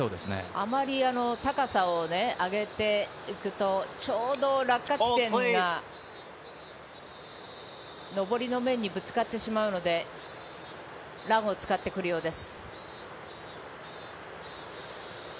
あまり高さを上げて打つと、ちょうど落下地点が上りの面にぶつかってしまうので、ランを使ってくるようです。